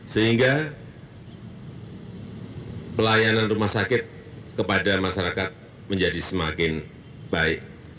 sehingga pelayanan rumah sakit kepada masyarakat menjadi semakin baik